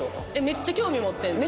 めっちゃ興味持ってるの？